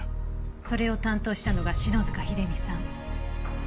それを担当したのが篠塚秀実さん。